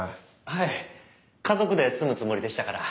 はい家族で住むつもりでしたから。